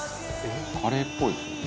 「カレーっぽいですけどね」